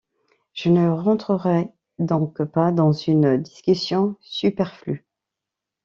Je ne rentrerai donc pas dans une discussion superflue.